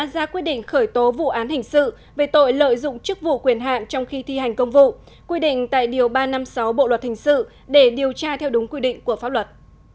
ra quyết định khởi tố vụ án hình sự về tội lợi dụng chức vụ quyền hạn trong khi thi hành công vụ quy định tại điều ba trăm năm mươi sáu bộ luật hình sự để điều tra theo đúng quy định của pháp luật